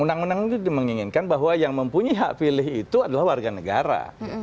undang undang itu menginginkan bahwa yang mempunyai hak pilih itu adalah warga negara